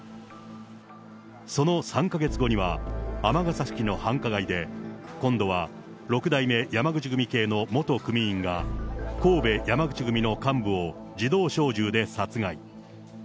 その３か月後には、尼崎市の繁華街で、今度は６代目山口組系の元組員が、神戸山口組の幹部を自動小銃で殺害。